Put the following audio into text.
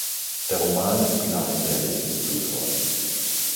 Der Roman ist klar dem Realismus zuzuordnen.